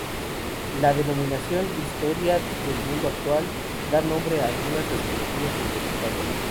La denominación "Historia del Mundo Actual" da nombre a algunas asignaturas universitarias.